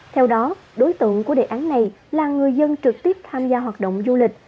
theo đó đối tượng của đề án này là người dân trực tiếp tham gia hoạt động du lịch